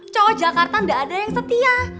cowok jakarta tidak ada yang setia